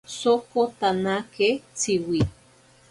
Sokotanake Tsiwi.